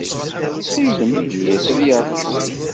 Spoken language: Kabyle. Ttxil-m, ini-as ad yeṛju.